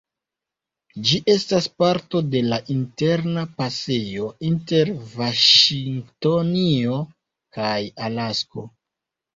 Ĝi estas parto de la Interna Pasejo inter Vaŝingtonio kaj Alasko.